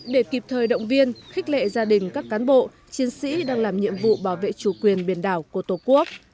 để kịp thời động viên khích lệ gia đình các cán bộ chiến sĩ đang làm nhiệm vụ bảo vệ chủ quyền biển đảo của tổ quốc